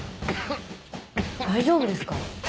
大丈夫ですか？